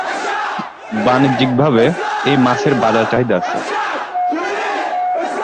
বাণিজ্যিকভাবে এই মাছের বাজার চাহিদা আছে।